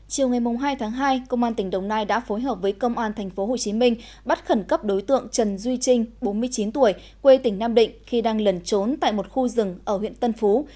chiều ngày hai tháng hai công an tỉnh đồng nai đã phối hợp với công an tp hcm bắt khẩn cấp đối tượng trần duy trinh bốn mươi chín tuổi quê tỉnh nam định khi đang lẩn trốn tại một khu rừng ở huyện tân phú